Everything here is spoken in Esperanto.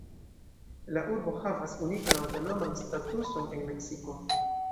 La urbo havas unikan aŭtonoman statuson en Meksiko.